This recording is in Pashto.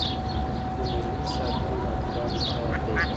د مظلوم ساتنه د اتلانو کار دی.